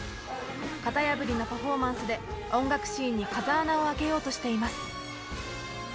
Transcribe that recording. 型破りなパフォーマンスで音楽シーンに風穴を開けようとしています。